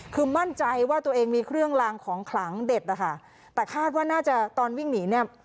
คือมั่นใจว่าตัวเองมีเครื่องลางของขลังเด็ดนะคะแต่คาดว่าน่าจะตอนวิ่งหนีเนี่ย